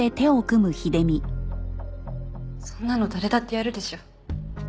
そんなの誰だってやるでしょ。